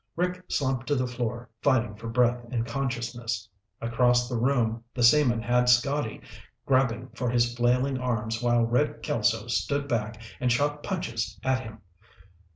Rick slumped to the floor fighting for breath and consciousness. Across the room, the seamen had Scotty, grabbing for his flailing arms while Red Kelso stood back and shot punches at him.